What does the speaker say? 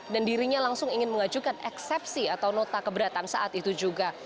dan dirinya langsung ingin mengajukan eksepsi atau nota keberatan saat itu juga